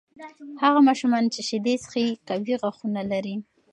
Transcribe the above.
هغه ماشومان چې شیدې څښي، قوي غاښونه لري.